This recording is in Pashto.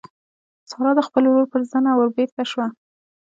سارا د خپل ورور پر زنه وربېرته شوه.